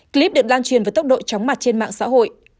clip được lan truyền với tốc độ chóng mặt trên mạng xã hội